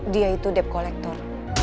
dia itu depkolektor